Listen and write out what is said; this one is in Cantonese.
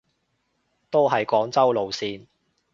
都係廣州路線